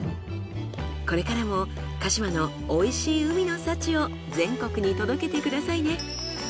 これからも鹿嶋の美味しい海の幸を全国に届けて下さいね。